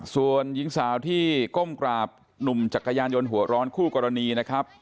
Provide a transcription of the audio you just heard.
ส่วนหญิงสาวที่ก้มกราบหนุ่มจักรยานยนต์หัวร้อนคู่กรณีนะครับ